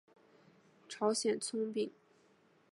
朝鲜葱饼。